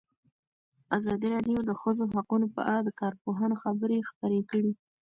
ازادي راډیو د د ښځو حقونه په اړه د کارپوهانو خبرې خپرې کړي.